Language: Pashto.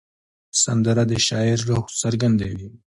سندره د شاعر روح څرګندوي